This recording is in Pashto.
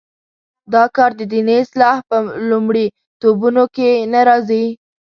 دا کار د دیني اصلاح په لومړیتوبونو کې نه راځي.